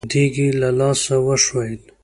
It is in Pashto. دېګ يې له لاسه وښوېد.